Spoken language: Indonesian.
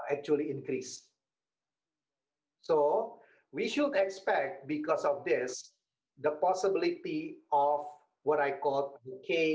tetapi mereka melakukan perjalanan jalan